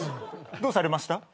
どうされました？